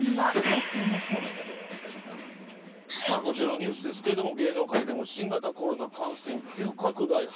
こちらのニュースですけど芸能界でも新型コロナ感染急拡大